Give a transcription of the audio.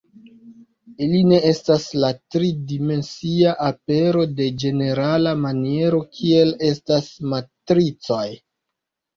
Ili ne estas la tri dimensia apero de ĝenerala maniero, kiel estas matricoj.